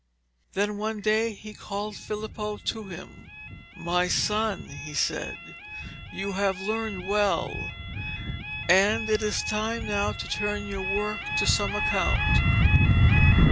Then one day he called Filippo to him. 'My son,' he said, 'you have learned well, and it is time now to turn your work to some account.